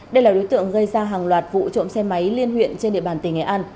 đây là đối tượng gây ra hàng loạt vụ trộm xe máy liên huyện trên địa bàn tỉnh nghệ an